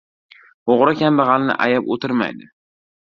• O‘g‘ri kambag‘alni ayab o‘tirmaydi.